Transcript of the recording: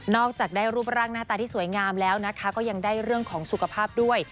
จากได้รูปร่างหน้าตาที่สวยงามแล้วนะคะก็ยังได้เรื่องของสุขภาพด้วย